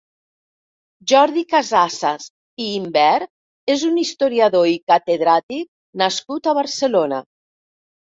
Jordi Casassas i Ymbert és un historiador i catedràtic nascut a Barcelona.